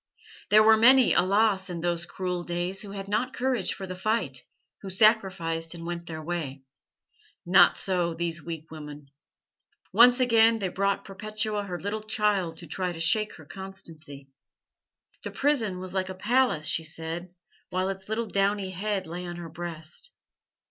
There were many, alas! in those cruel days who had not courage for the fight, who sacrificed, and went their way. Not so these weak women. "Once again they brought Perpetua her little child to try to shake her constancy. 'The prison was like a palace,' she said, while its little downy head lay on her breast.